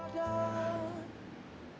aku udah bisa lihat